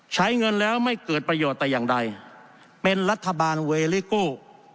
ใช้เงินแล้วไม่เกิดประโยชน์แต่อย่างใดเป็นรัฐบาลเวลิโก้